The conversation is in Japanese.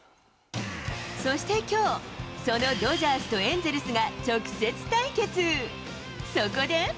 そしてきょう、そのドジャースとエンゼルスが直接対決。